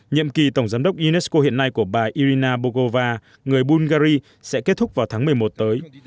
nhiệm kỳ tổng giám đốc unesco hiện nay của bà irina bogova người bungary sẽ kết thúc vào tháng một mươi một tới